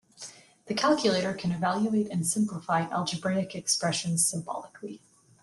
The calculator can evaluate and simplify algebraic expressions symbolically.